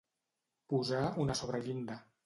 Posar una sobrellinda.